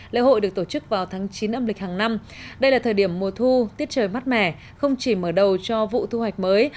lễ hội được tổ chức vào tháng chín âm lịch hàng năm đây là thời điểm mùa thu tiết trời mát mẻ không chỉ mở đầu cho vụ thu hoạch mới